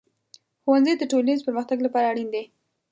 ښوونځی د ټولنیز پرمختګ لپاره اړین دی.